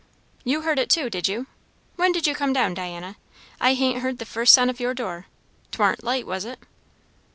"You heard it too, did you? When did you come down, Diana? I hain't heard the first sound of your door. 'Twarn't light, was it?"